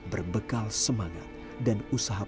jalan ke depan mungkin terjal